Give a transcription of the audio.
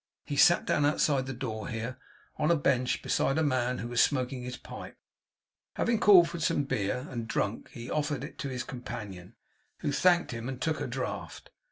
He sat down outside the door here, on a bench, beside a man who was smoking his pipe. Having called for some beer, and drunk, he offered it to this companion, who thanked him, and took a draught.